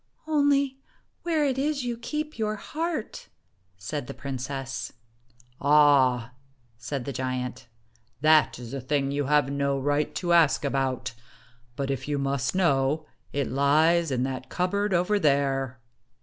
" Only where it is you keep your heart," said the princess. "Ah!" said the giant. " That is a thing you have no right to ask about; but if you must know, it lies in that cupboard over there."